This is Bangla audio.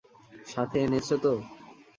সাথে এনেছো তো?